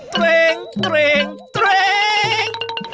เตรงเตรงเตรง